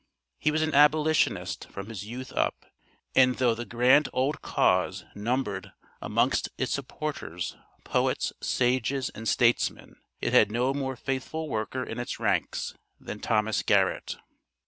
He was an abolitionist from his youth up, and though the grand old cause numbered amongst its supporters, poets, sages, and statesmen, it had no more faithful worker in its ranks than Thomas Garrett.